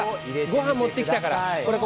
ごはん、持ってきたから！